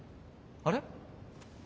あれ？